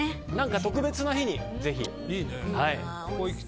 特別な日に、ぜひ。